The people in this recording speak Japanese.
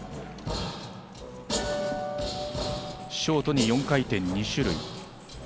ショートに４回転２種類。